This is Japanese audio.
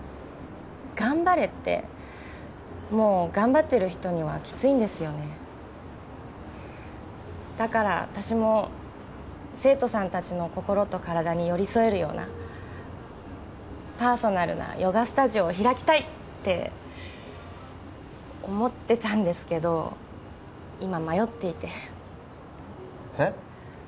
頑張れってもう頑張ってる人にはキツいんですよねだから私も生徒さん達の心と体に寄り添えるようなパーソナルなヨガスタジオを開きたいって思ってたんですけど今迷っていてえっ？